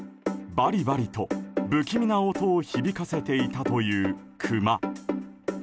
バリバリと不気味な音を響かせていたというクマ。